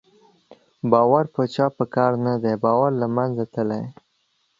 باور په چا په کار نه دی، باور له منځه تللی